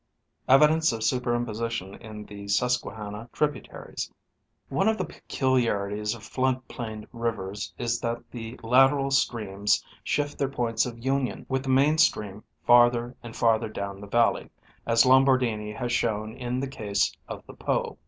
Evidence of superitnposition in the Stisquehanna tributa ries. — One of the peculiarities of flood plained rivers is that the lateral streams shift their points of union with the main stream farther and farther down the valley, as Lombardini has shown in the case of the Po.